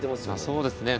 そうですね。